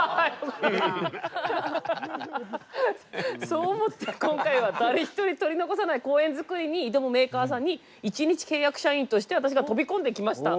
そう思って今回は誰ひとり取り残さない公園造りに挑むメーカーさんに１日契約社員として私が飛び込んできました。